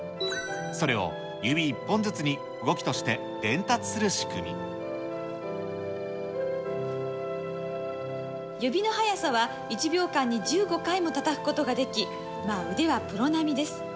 それを指１本ずつに動きとして伝指の速さは１秒間に１５回もたたくことができ、腕はプロ並みです。